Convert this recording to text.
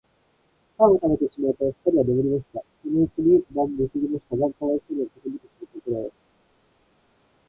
パンをたべてしまうと、ふたりは眠りました。そのうちに晩もすぎましたが、かわいそうなこどもたちのところへ、